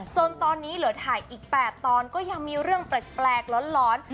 จนตอนนี้เหลือถ่ายอีก๘ตอนก็ยังมีเรื่องแปลกหลอน